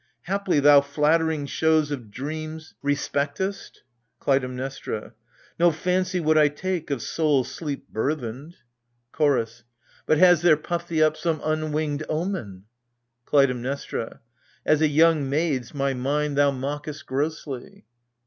Haply thou flattering shows of dreams respectest? KLUTAIMNESTRA. No fancy would I take of soul sleep burthened. AGAMEMNON. 25 CHOROS. But has there puffed thee up some unwinged omen KLUTAIMNESTRA. As a young maid's my mind thou mockest grossly.